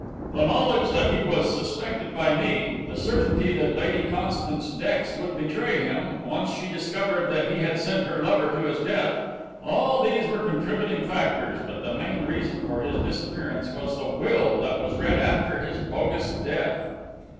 "The knowledge that he was suspected by me, the certainty that Lady Constance Dex would betray him, once she discovered that he had sent her lover to his death, all these were contributing factors, but the main reason for his disappearance was the will that was read after his bogus death.